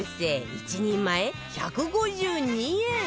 １人前１５２円